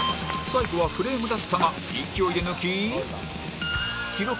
最後はフレームだったが勢いで抜き記録